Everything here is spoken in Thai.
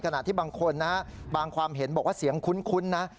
ขณะที่บางคนนะบางความเห็นบอกว่าเสียงคุ้นนะ